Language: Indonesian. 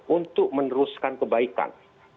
untuk meneruskan kebaikan